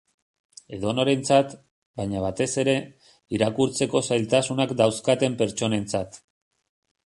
Edonorentzat, baina batez ere, irakurtzeko zailtasunak dauzkaten pertsonentzat.